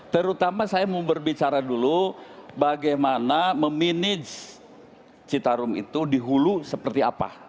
terutama saya mau berbicara dulu bagaimana memanage citarum itu di hulu seperti apa